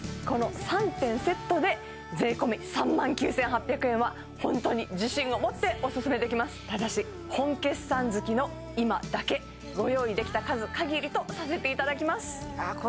この３点セットで税込３万９８００円はホントに自信をもっておすすめできますただし本決算月の今だけご用意できた数かぎりとさせていただきますあ